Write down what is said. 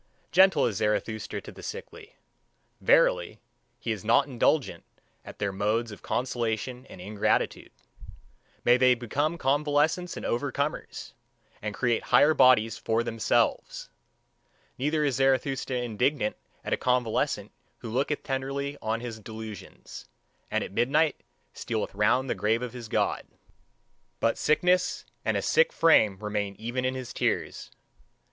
Gentle is Zarathustra to the sickly. Verily, he is not indignant at their modes of consolation and ingratitude. May they become convalescents and overcomers, and create higher bodies for themselves! Neither is Zarathustra indignant at a convalescent who looketh tenderly on his delusions, and at midnight stealeth round the grave of his God; but sickness and a sick frame remain even in his tears.